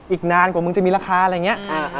อีกนานกว่ามึงจะมีราคาอะไรอย่างนี้